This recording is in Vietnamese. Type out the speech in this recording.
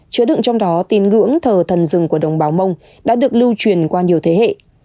chứa đựng trong đó tín ngưỡng thờ thần rừng của đồng bào mông đã được lưu truyền qua nhiều thế hệ